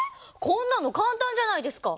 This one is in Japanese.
こんなの簡単じゃないですか！？